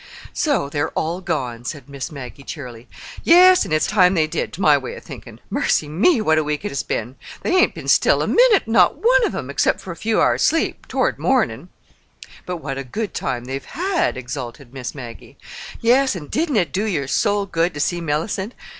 "So they're all gone," said Miss Maggie cheerily. "Yes; an' it's time they did, to my way of thinkin'. Mercy me, what a week it has been! They hain't been still a minute, not one of 'em, except for a few hours' sleep—toward mornin'." "But what a good time they've had!" exulted Miss Maggie. "Yes. And didn't it do your soul good to see Mellicent?